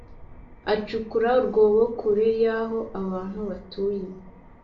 Acukura urwobo kure y aho abantu batuye